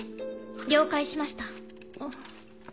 了解しました。